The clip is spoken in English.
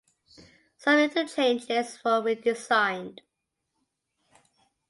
Some interchanges were redesigned.